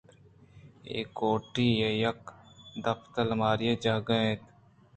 اے کوٹی ءَ یک نپادءُالماری ئےجاگہے اَت